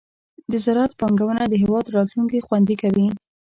د زراعت پانګونه د هېواد راتلونکې خوندي کوي.